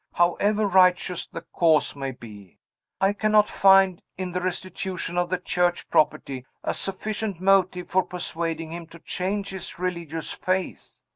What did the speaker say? However righteous the cause may be, I cannot find, in the restitution of the Church property, a sufficient motive for persuading him to change his religious faith.